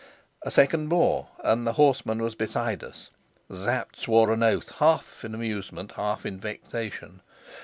A second more, and the horseman was beside us. Sapt swore an oath, half in amusement, half in vexation.